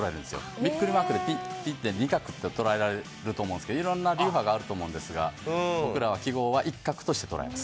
ビックリマークで２角ってとらえられるんですけど、いろんな流派があると思うんですが、僕らは記号は１画として捉えます。